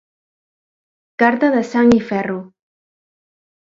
Carta de sang i ferro